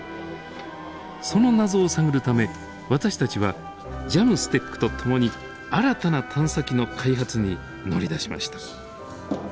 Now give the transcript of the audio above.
その謎を探るため私たちはＪＡＭＳＴＥＣと共に新たな探査機の開発に乗り出しました。